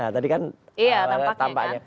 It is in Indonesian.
tadi kan tampaknya